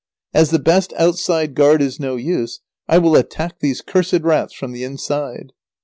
As the best outside guard is no use, I will attack these cursed rats from the inside."